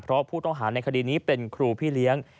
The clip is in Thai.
เพราะผู้ต้องหาในคดีนี้เป็นครูพี่เลี้ยง